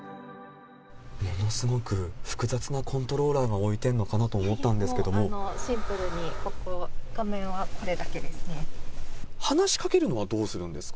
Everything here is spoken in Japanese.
ものすごく複雑なコントローラーが置いてあるのかなと思ったもうシンプルに、ここ、画面はこれだけですね。